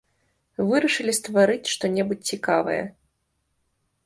Вырашылі стварыць што-небудзь цікавае.